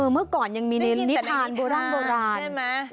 เมื่อก่อนยังมีในนิทานโบร่ำโบราณใช่ไหม